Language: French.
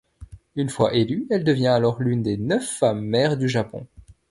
Une fois élue, elle devient alors l'une des neuf femmes maires du Japon.